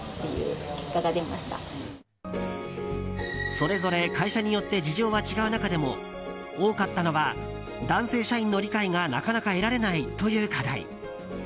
それぞれ会社によって事情は違う中でも多かったのは男性社員の理解がなかなか得られないという課題。